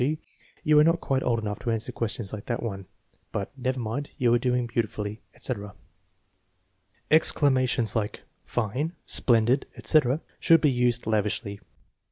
g., " You are not quite old enough to answer questions like that one; but, never mind, you are doing beautifully," etc. Ex clamations like " fine! "" splendid! " etc., should be used lavishly.